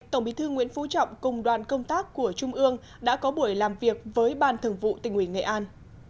tổng bí thư nguyễn phú trọng cùng đoàn công tác của trung ương đã có buổi làm việc với ban thường vụ tỉnh ủy nghệ an